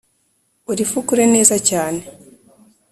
urifukure neza cyane